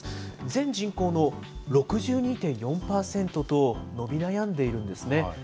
全人口の６２．４％と、伸び悩んでいるんですね。